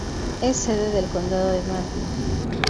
Es sede del condado de Martin.